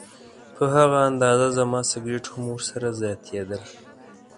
په هغه اندازه زما سګرټ هم ورسره زیاتېدل.